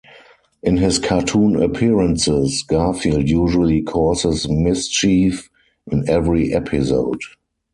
In his cartoon appearances, Garfield usually causes mischief in every episode.